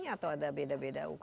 atau ada beda beda hukum